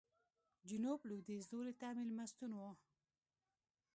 جنوب لوېدیځ لوري ته مېلمستون و.